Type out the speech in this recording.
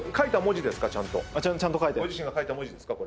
ご自身が書いた文字ですか？